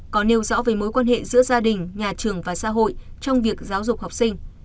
có nêu rõ về mối quan hệ giữa gia đình nhà trường và xã hội trong việc giáo dục học sinh